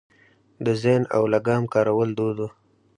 د زین او لګام کارول دود و